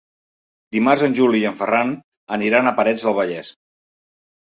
Dimarts en Juli i en Ferran aniran a Parets del Vallès.